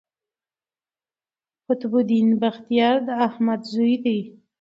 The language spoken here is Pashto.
قطب الدین بختیار د احمد زوی دﺉ.